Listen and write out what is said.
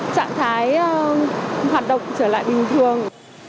trạng thái hoạt động trở lại bình thường